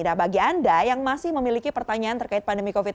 nah bagi anda yang masih memiliki pertanyaan terkait pandemi covid sembilan belas